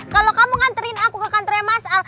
kalau kamu nganterin aku ke kantornya mas al